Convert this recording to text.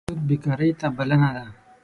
سود بېکارۍ ته بلنه ده.